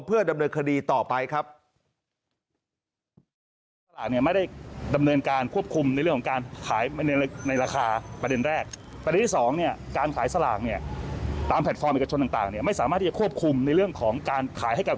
เพื่อดำเนินคดีต่อไปครับ